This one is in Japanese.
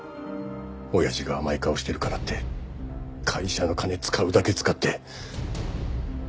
親父が甘い顔してるからって会社の金使うだけ使って。